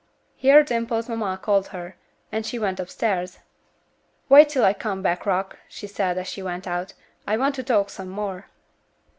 Here Dimple's mamma called her, and she went upstairs. "Wait till I come back, Rock," she said, as she went out, "I want to talk some more."